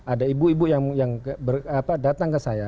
ada ibu ibu yang datang ke saya